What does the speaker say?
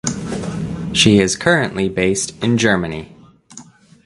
She is currently based in Germany.